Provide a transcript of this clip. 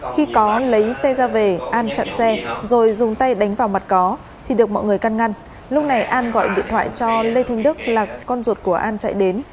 khi có lấy xe ra về an chặn xe rồi dùng tay đánh vào mặt có thì được mọi người căn ngăn lúc này an gọi điện thoại cho lê thanh đức là con ruột của an chạy đến